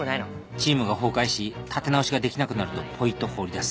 チームが崩壊し立て直しができなくなるとポイッと放り出す。